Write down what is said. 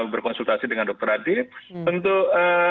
berkonsultasi dengan dokter adib untuk